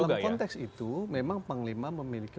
dalam konteks itu memang panglima memiliki